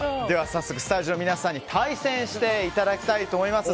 早速スタジオの皆さんに対戦していただこうと思います。